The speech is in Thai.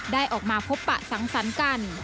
ได้ออกมาพบปะสังสรรค์กัน